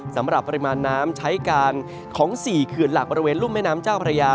สำหรับปริมาณน้ำใช้การของ๔เขื่อนหลักบริเวณรุ่นแม่น้ำเจ้าพระยา